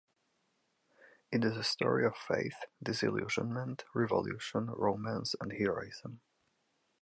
It is a story of faith, disillusionment, revolution, romance, and heroism.